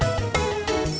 ya ada tiga orang